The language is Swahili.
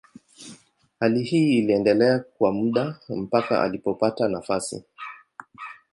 Hali hii iliendelea kwa muda mpaka alipopata nafasi.